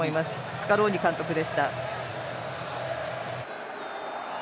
スカローニ監督でした。